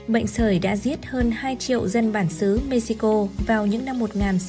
bệnh sởi đã giết hơn hai triệu dân bản xứ mexico vào những năm một nghìn sáu trăm linh